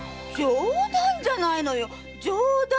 冗談じゃないのよ冗談！